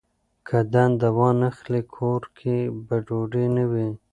که دنده وانخلي، کور کې به ډوډۍ نه وي.